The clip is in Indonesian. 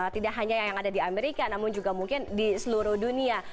tidak hanya yang ada di amerika namun juga mungkin di seluruh dunia